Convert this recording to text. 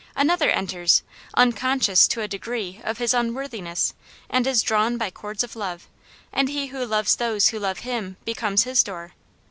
Another enters, unconscious to a degree of his un worthiness, and is drawn by cords of love, and He who loves those who love Him becomes his door.